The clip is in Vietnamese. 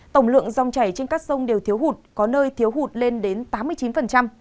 tổng lượng dòng chảy trên các sông đều thiếu hụt có nơi thiếu hụt lên đến tám mươi chín